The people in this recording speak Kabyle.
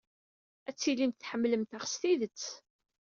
Ad tilimt tḥemmlemt-aɣ s tidet.